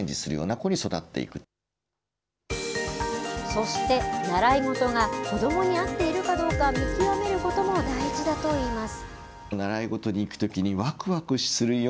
そして、習い事が子どもに合っているかどうか見極めることも大事だといいます。